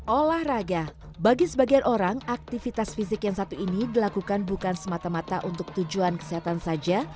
olahraga bagi sebagian orang aktivitas fisik yang satu ini dilakukan bukan semata mata untuk tujuan kesehatan saja